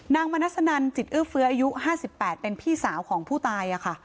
มณสนันจิตเอื้อเฟื้ออายุ๕๘เป็นพี่สาวของผู้ตาย